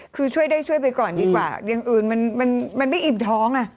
คือช่วยได้ช่วยไปก่อนดีกว่าอย่างอื่นมันไม่อิ่มท้องอ่ะ